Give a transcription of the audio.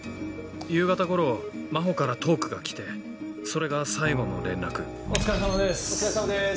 夕方頃真帆からトークが来てそれが最後の連絡。